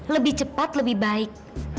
lebih cepat lebih baik